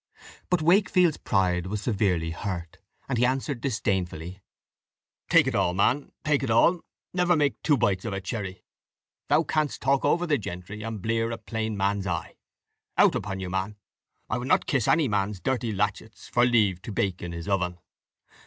But Wakefield's pride was severely hurt, and he answered disdainfully, "Take it all, man take it all; never make two bites of a cherry. Thou canst talk over the gentry, and blear a plain man's eye. Out upon you, man; I would not kiss any man's dirty latchets for leave to bake in his oven."